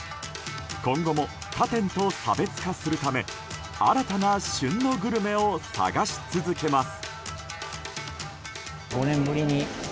今後も他店と差別化するため新たな旬のグルメを探し続けます。